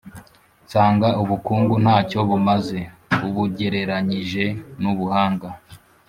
nsanga ubukungu nta cyo bumaze, ubugereranyije n’Ubuhanga.